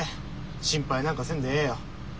心配なんかせんでええよ。